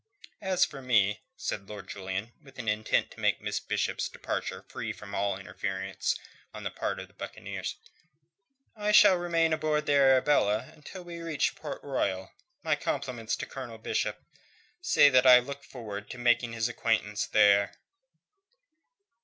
"As for me," said Lord Julian, with intent to make Miss Bishop's departure free from all interference on the part of the buccaneers, "I shall remain aboard the Arabella until we reach Port Royal. My compliments to Colonel Bishop. Say that I look forward to making his acquaintance there."